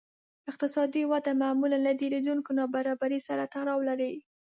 اقتصادي وده معمولاً له ډېرېدونکې نابرابرۍ سره تړاو لري